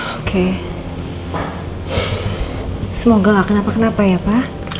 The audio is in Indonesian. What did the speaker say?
oke semoga gak kenapa kenapa ya pak